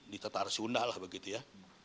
di tetar sunda lah begitu ya